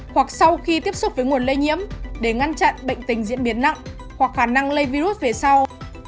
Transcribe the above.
hoặc sau khi tiếp xúc với nguồn lây nhiễm để ngăn chặn bệnh tình diễn biến nặng hoặc khả năng lây virus về sau